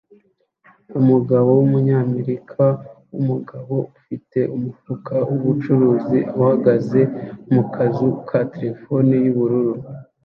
Umugabo wumunyamerika wumugabo ufite umufuka wubucuruzi uhagaze mu kazu ka terefone yubururu